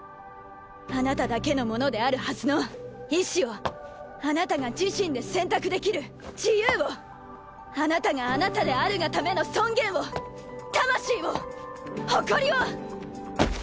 あなただけのものであるはずの意思をあなたが自身で選択できる自由をあなたがあなたであるがための尊厳を魂を誇りを。